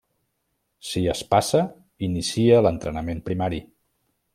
Si es passa, inicia l'entrenament primari.